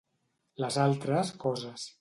Les altres coses.